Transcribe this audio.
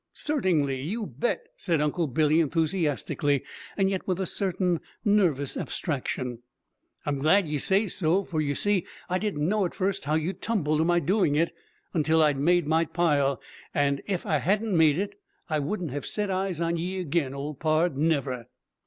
"Certingly, you bet!" said Uncle Billy enthusiastically, yet with a certain nervous abstraction. "I'm glad ye say so; for yer see I didn't know at first how you'd tumble to my doing it, until I'd made my pile. And ef I hadn't made it, I wouldn't hev set eyes on ye agin, old pard never!"